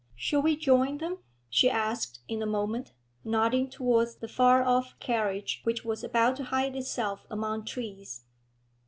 'Shall we join them?' she asked in a moment, nodding towards the far off carriage which was about to hide itself among trees.